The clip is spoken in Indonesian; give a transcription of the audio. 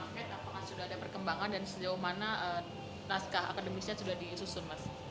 apakah sudah ada perkembangan dan sejauh mana naskah akademisnya sudah disusun mas